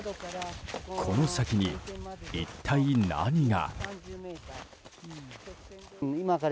この先に、一体何が？